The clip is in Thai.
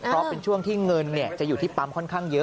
เพราะเป็นช่วงที่เงินจะอยู่ที่ปั๊มค่อนข้างเยอะ